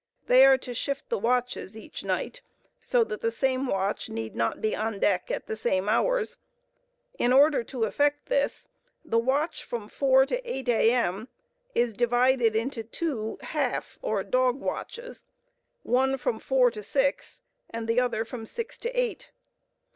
They are to shift the watches each night, so that the same watch need not be on deck at the same hours. In order to effect this, the watch from four to eight A.M. is divided into two half, or dog watches, one from four to six; and the other from six to eight.